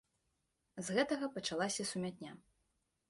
З гэтага пачалася сумятня.